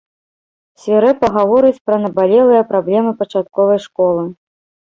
Свірэпа гаворыць пра набалелыя праблемы пачатковай школы.